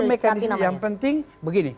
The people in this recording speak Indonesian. mekanisme yang penting begini